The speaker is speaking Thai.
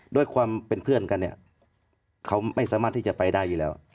ด้วยความเป็นเพื่อนกันเนี่ยเขาไม่สามารถที่จะไปได้อยู่แล้ว